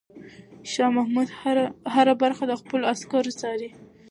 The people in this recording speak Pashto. شاه محمود هره برخه د خپلو عسکرو څاري.